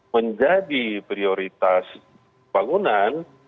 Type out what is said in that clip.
menjadi prioritas pembangunan